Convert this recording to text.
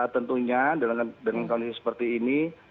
tentunya dengan kondisi seperti ini